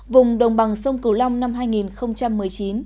vùng đồng bằng sông cửu long năm hai nghìn một mươi chín